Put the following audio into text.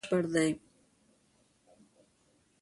دا راپور تر پخواني راپور ډېر بشپړ دی.